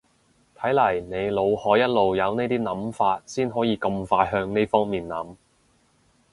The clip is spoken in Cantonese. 睇嚟你腦海一路有呢啲諗法先可以咁快向呢方面諗